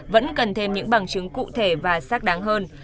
vẫn cần thêm những bằng chứng cụ thể và xác đáng hơn